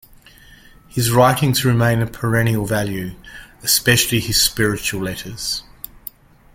His writings remain of perennial value, especially his "Spiritual Letters".